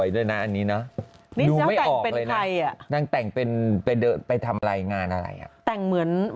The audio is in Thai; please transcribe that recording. แต่ว่าเพราะนางพูดอยู่ในรายการแชก